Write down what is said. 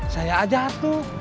saya aja satu